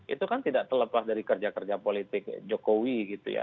itu kan tidak terlepas dari kerja kerja politik jokowi gitu ya